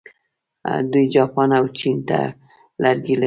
دوی جاپان او چین ته لرګي لیږي.